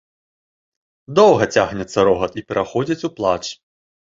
Доўга цягнецца рогат і пераходзіць у плач.